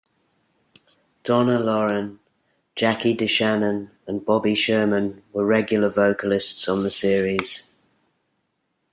Donna Loren, Jackie DeShannon and Bobby Sherman were regular vocalists on the series.